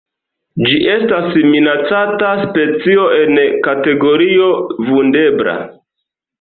Ĝi estas minacata specio en kategorio Vundebla.